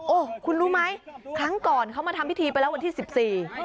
โอ้โหคุณรู้ไหมครั้งก่อนเขามาทำพิธีไปแล้ววันที่สิบสี่